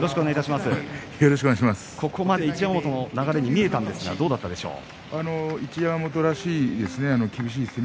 一山本の流れに見えたんですけどどうだったでしょうか。